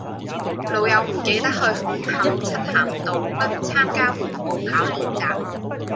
老友唔記得去紅磡漆咸道北參加緩步跑練習